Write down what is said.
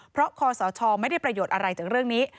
เพราะคอสชไม่ได้ประโยชน์อะไรจากเรื่องนี้